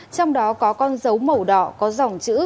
trong đó có con dấu màu đỏ có dòng chữ